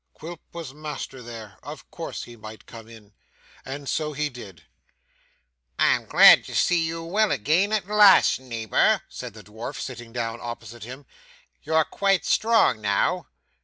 Quilp was master there. Of course he might come in.' And so he did. 'I'm glad to see you well again at last, neighbour,' said the dwarf, sitting down opposite him. 'You're quite strong now?